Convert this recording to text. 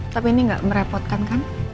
tapi ini nggak merepotkan kan